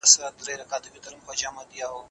سياسي قدرت بايد له لاسته راوړلو وروسته وساتل سي.